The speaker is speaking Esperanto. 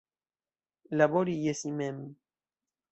Labori je si mem.